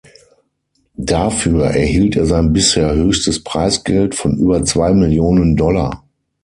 Dafür erhielt er sein bisher höchstes Preisgeld von über zwei Millionen Dollar.